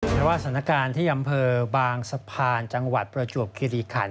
เพราะว่าสถานการณ์ที่อำเภอบางสะพานจังหวัดประจวบคิริขัน